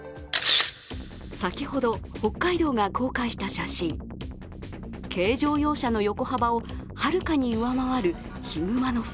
先ほど北海道が公開した写真、軽乗用車の横幅をはるかに上回るヒグマの姿。